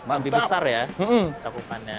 lebih besar ya cakupannya